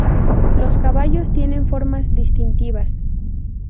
Los caballos tienen formas distintivas.